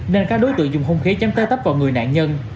nên các đối tượng dùng hung khí chấm tơ tấp vào người nạn nhân